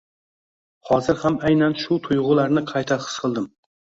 Hozir ham aynan shu tuyg’ularni qayta his qildim.